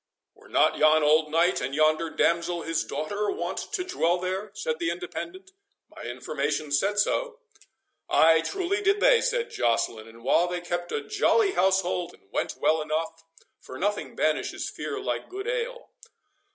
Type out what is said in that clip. "Were not yon old knight, and yonder damsel his daughter, wont to dwell there?" said the Independent. "My information said so." "Ay, truly did they," said Joceline; "and while they kept a jolly house hold, all went well enough; for nothing banishes fear like good ale.